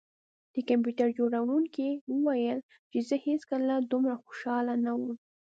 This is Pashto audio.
د کمپیوټر جوړونکي وویل چې زه هیڅکله دومره خوشحاله نه وم